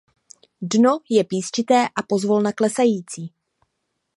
Dno je písčité a pozvolna klesající.